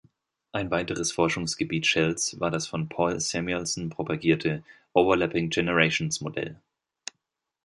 Ein weiteres Forschungsgebiet Shells war das von Paul Samuelson propagierte Overlapping-Generations-Modell.